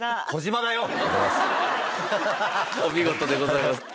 お見事でございます。